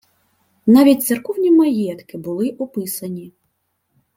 Навіть церковні маєтки були «описані»